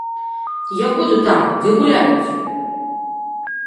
Я буду там, дзе гуляюць!